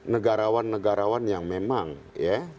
negarawan negarawan yang memang ya